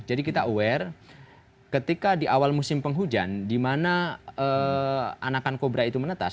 kita aware ketika di awal musim penghujan di mana anakan kobra itu menetas